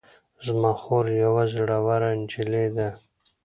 زما خور یوه زړوره نجلۍ ده